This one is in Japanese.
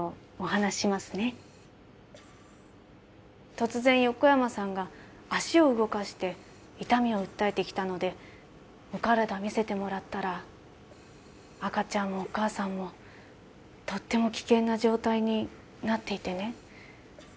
突然横山さんが足を動かして痛みを訴えてきたので、お体診せてもらったら、赤ちゃんもお母さんもとっても危険な状態になっていてね。